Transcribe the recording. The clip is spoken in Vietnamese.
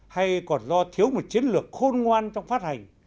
hay còn do thiếu một chiến lược khôn ngoan trong phát hành